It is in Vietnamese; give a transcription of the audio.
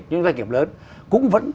những doanh nghiệp lớn cũng vẫn